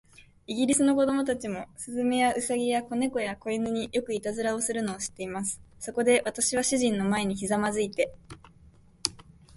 イギリスの子供たちも、雀や、兎や、小猫や、小犬に、よくいたずらをするのを知っています。そこで、私は主人の前にひざまずいて